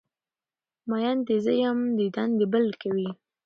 مین دی زه یم دیدن دی بل کوی